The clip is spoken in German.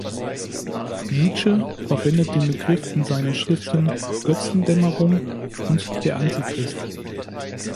Nietzsche verwendet den Begriff in seinen Schriften "Götzen-Dämmerung" und "Der Antichrist".